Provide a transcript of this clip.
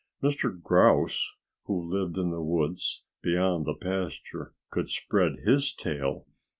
Mr. Grouse, who lived in the woods, beyond the pasture, could spread his tail.